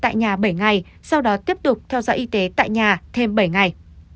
sau đó cách ly tại nhà bảy ngày sau đó tiếp tục theo dõi y tế tại nhà thêm bảy ngày